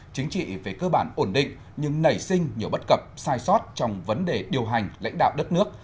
chính trị về cơ bản ổn định nhưng nảy sinh nhiều bất cập sai sót trong vấn đề điều hành lãnh đạo đất nước